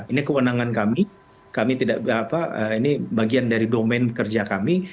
ini kewenangan kami kami tidak ini bagian dari domain kerja kami